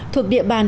thuộc địa bàn